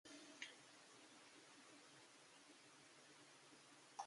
(ken Ton)